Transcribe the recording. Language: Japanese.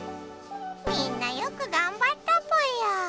みんなよくがんばったぽよ。